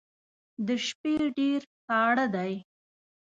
د شپې ډیر ساړه دی